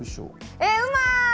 えっうまい！